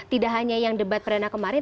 tidak hanya yang debat perdana kemarin